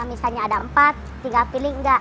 misalnya ada empat tinggal pilih enggak